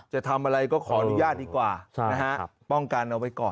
จะทำอะไรก็ขออนุญาตดีกว่านะฮะป้องกันเอาไว้ก่อน